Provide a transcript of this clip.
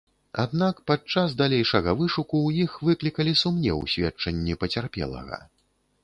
Аднак падчас далейшага вышуку ў іх выклікалі сумнеў сведчанні пацярпелага.